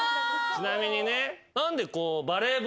ちなみにね。